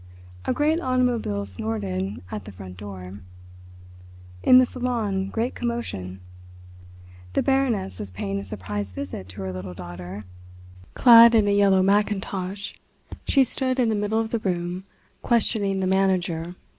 A great automobile snorted at the front door. In the salon great commotion. The Baroness was paying a surprise visit to her little daughter. Clad in a yellow mackintosh she stood in the middle of the room questioning the manager.